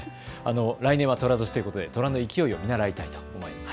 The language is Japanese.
来年はとら年ということで虎の勢いを見習いたいと思います。